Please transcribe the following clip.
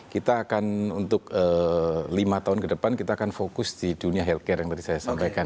kita akan untuk lima tahun ke depan kita akan fokus di dunia healthcare yang tadi saya sampaikan